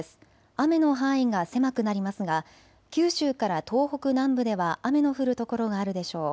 雨の範囲が狭くなりますが九州から東北南部では雨の降る所があるでしょう。